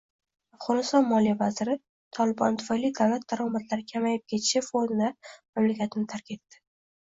Afg‘oniston moliya vaziri “Tolibon” tufayli davlat daromadlari kamayib ketishi fonida mamlakatni tark etdi